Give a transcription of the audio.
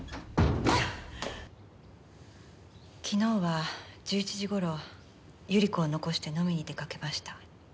昨日は１１時頃百合子を残して飲みに出かけました。